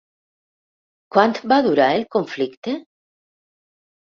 Quant va durar el conflicte?